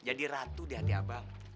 jadi ratu di hati abang